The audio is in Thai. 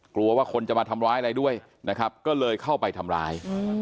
กลัวว่าคนจะมาทำร้ายอะไรด้วยนะครับก็เลยเข้าไปทำร้าย